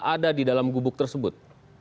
ada di dalam gubuk tersebut